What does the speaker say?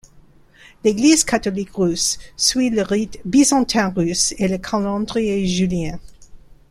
L’Église catholique russe suit le rite byzantin russe et le calendrier julien.